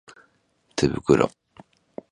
手袋